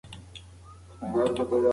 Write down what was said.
کالوري یې واقعاً کمه ده.